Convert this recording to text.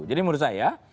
jadi menurut saya